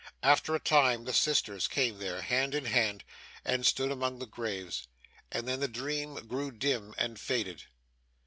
After a time the sisters came there, hand in hand, and stood among the graves. And then the dream grew dim, and faded.